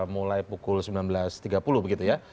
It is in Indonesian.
mulai pukul sembilan belas tiga puluh begitu ya